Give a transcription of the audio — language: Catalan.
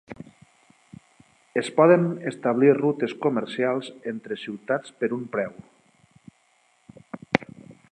Es poden establir rutes comercials entre ciutats per un preu.